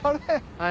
はい。